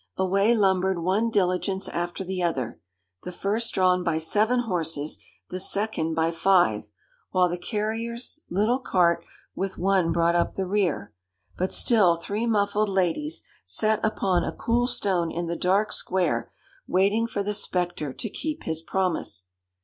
Away lumbered one diligence after the other, the first drawn by seven horses, the second by five, while the carrier's little cart with one brought up the rear. But still three muffled ladies sat upon a cool stone in the dark square, waiting for the spectre to keep his promise.